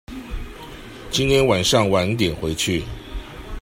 今天晚上晚點回去